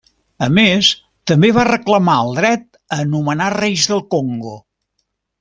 A més, també va reclamar el dret a nomenar reis del Congo.